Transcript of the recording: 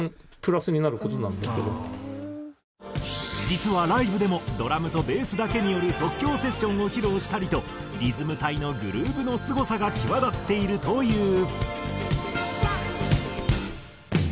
実はライブでもドラムとベースだけによる即興セッションを披露したりとリズム隊のグルーヴのすごさが際立っているという。